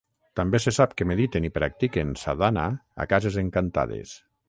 També se sap que mediten i practiquen sadhana a cases encantades.